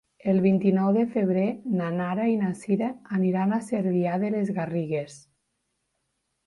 El vint-i-nou de febrer na Nara i na Sira aniran a Cervià de les Garrigues.